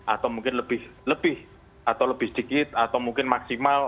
atau mungkin lebih sedikit atau maksimal